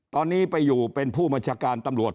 ตอนนี้ไปอยู่เป็นผู้บัญชาการตำรวจ